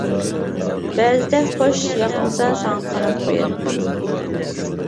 بەزىدە خوش ياقمىسا ساڭا قاراپ قوياتتىم.